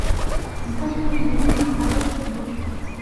Il construit des nids en radeau sur l'eau.